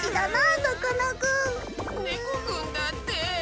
ねこくんだって。